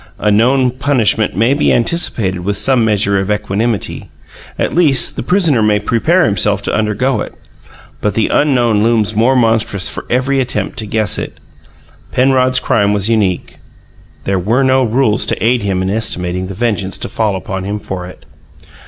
A known punishment may be anticipated with some measure of equanimity; at least, the prisoner may prepare himself to undergo it; but the unknown looms more monstrous for every attempt to guess it. Penrod's crime was unique; there were no rules to aid him in estimating the vengeance to fall upon him for it.